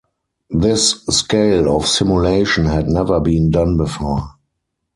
This scale of simulation had never been done before.